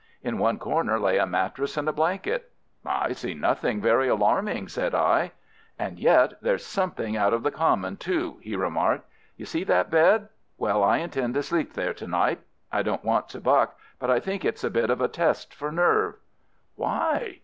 In one corner lay a mattress and a blanket. "I see nothing very alarming," said I. "And yet there's something out of the common, too," he remarked. "You see that bed? Well, I intend to sleep there to night. I don't want to buck, but I think it's a bit of a test for nerve." "Why?"